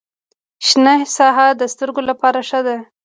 شنه ساحه د سترګو لپاره ښه ده